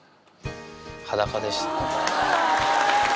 裸でしたね。